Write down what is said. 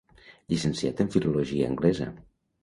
Llicenciat en Filologia Anglesa.